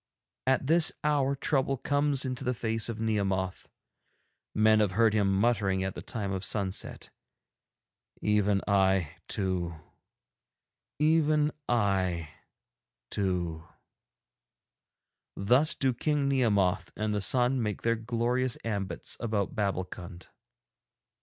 At this hour trouble comes into the face of Nehemoth. Men have heard him muttering at the time of sunset: "Even I too, even I too." Thus do King Nehemoth and the sun make their glorious ambits about Babbulkund.